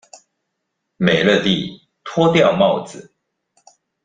美樂蒂脫掉帽子